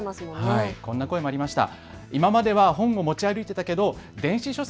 こんな声もありました。